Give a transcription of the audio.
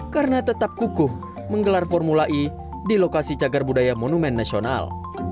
karena tetap kukuh menggelar formula e di lokasi cagar budaya monumen nasional